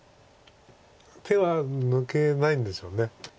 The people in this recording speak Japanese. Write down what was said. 手は抜けないんですよね。